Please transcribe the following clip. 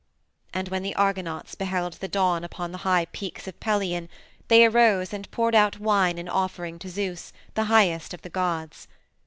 And when the Argonauts beheld the dawn upon the high peaks of Pelion they arose and poured out wine in offering to Zeus, the highest of the gods.